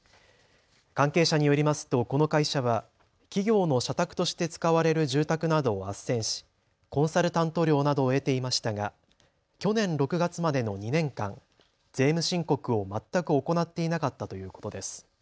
関係者によりますとこの会社は企業の社宅として使われる住宅などをあっせんしコンサルタント料などを得ていましたが去年６月までの２年間、税務申告を全く行っていなかったということです。